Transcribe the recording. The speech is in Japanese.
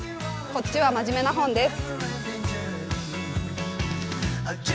こっちは真面目な本です。